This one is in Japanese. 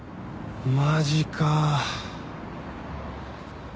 マジか。